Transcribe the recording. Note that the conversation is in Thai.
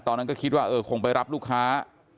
ตอนนั้นก็คิดว่าเออคงไปรับลูกค้า